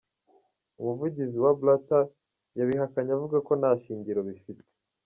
Umuvugizi wa Blatter, yabihakanye avuga ko nta shingiro bifite.